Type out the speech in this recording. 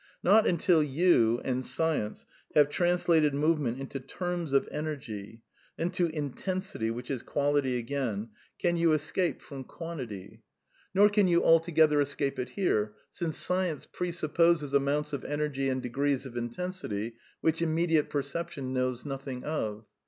Not until you (and sci ence) have translated movement into terms of energy, into intensity, which is quality again, can you escape from 54 A DEFENCE OF IDEALISM quantity. Nor can you altogether escape it here, since science presupposes amounts of energy and degrees of in* tensity which immediate perception knows nothing of.